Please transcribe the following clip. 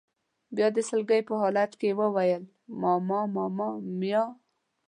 بیا د سلګۍ په حالت کې یې وویل: ماما ماما میا.